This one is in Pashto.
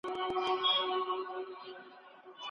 خپل عقل به د ټولني په ګټه کاروئ.